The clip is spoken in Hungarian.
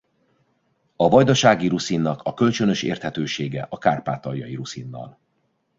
A vajdasági ruszinnak a kölcsönös érthetősége a kárpátaljai ruszinnal.